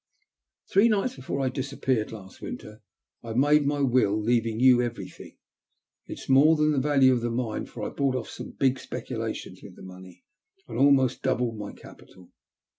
Three nights before I disappeared last winter, I made my will, leaving you everything. It's more than the value of the mine, for I brought ofif some big speculations with the money, and almost doubled my capital.